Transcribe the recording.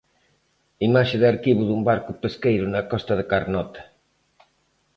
Imaxe de arquivo dun barco pesqueiro na costa de Carnota.